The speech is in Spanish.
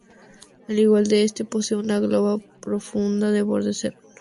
Al igual que este posee una gola profunda de borde aserrado.